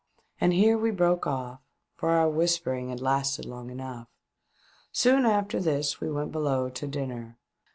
And here we broke off, for our whispering had lasted long enough. Soon after this we went below to dinner.